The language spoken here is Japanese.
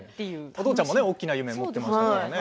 お父ちゃんも大きな夢を持っていましたからね。